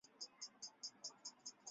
拉尔邦人口变化图示